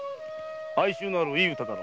哀愁のあるいい歌だろ。